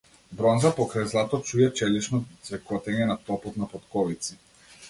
Бронза покрај злато чуја челично ѕвекотење на топот на потковици.